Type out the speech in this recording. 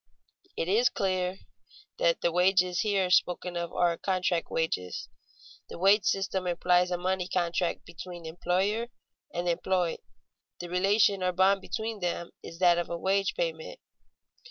It is clear that the wages here spoken of are contract wages. The wage system implies a money contract between employer and employed. The relation or bond between them is that of a wage payment.